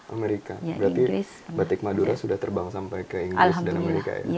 amerika berarti batik madura sudah terbang sampai ke inggris dan amerika ya